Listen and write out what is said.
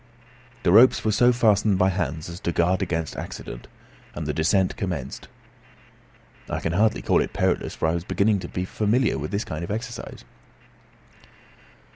The ropes were so fastened by Hans as to guard against accident, and the descent commenced. I can hardly call it perilous, for I was beginning to be familiar with this kind of exercise.